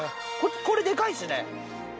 これでかいっすね。